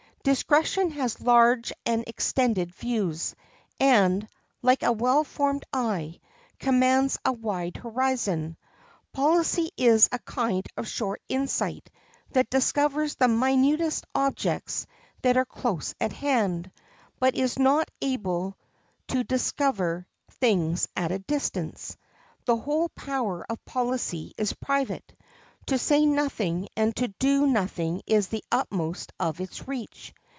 Discretion has large and extended views, and, like a well formed eye, commands a wide horizon. Policy is a kind of short insight that discovers the minutest objects that are close at hand, but is not able to discover things at a distance. The whole power of policy is private; to say nothing and to do nothing is the utmost of its reach.